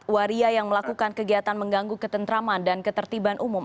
waria yang melakukan kegiatan mengganggu ketentraman dan ketertiban umum